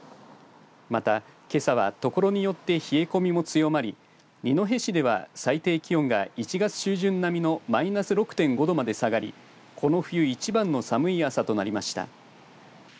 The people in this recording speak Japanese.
また、けさは所によって冷え込みも強まり二戸市では最低気温が１月中旬並みのマイナス６．５度まで下がりこの冬一番の寒い朝となりました。